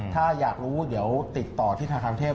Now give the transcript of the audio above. ถ้าอยากรู้เดี๋ยวติดต่อที่ธนาคารกรุงเทพ